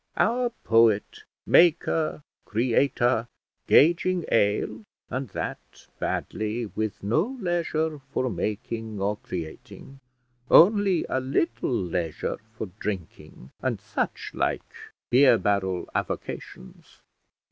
our poet, maker, creator, gauging ale, and that badly, with no leisure for making or creating, only a little leisure for drinking, and such like beer barrel avocations!